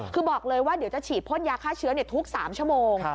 คือบอกเลยว่าเดี๋ยวจะฉีดพ่นยาฆ่าเชื้อทุก๓ชั่วโมง